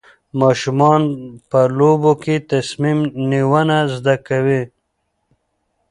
ماشومان په لوبو کې تصمیم نیونه زده کوي.